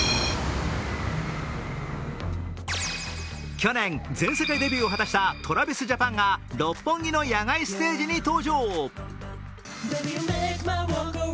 去年全世界デビューを果たしたＴｒａｖｉｓＪａｐａｎが六本木の野外ステージに登場。